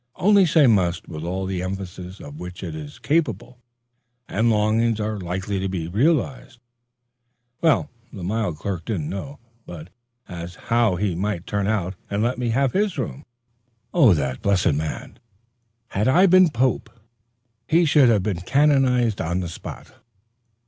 Only say must with all the emphasis of which it is capable, and longings are likely to be realized. Well, the mild clerk didn't know but as how he might turn out and let me have his room. Blessed man! Had I been pope, he should have been canonized on the spot.